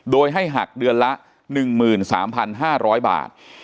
โดยให้หักเดือนละ๑๓๕๐๐บาท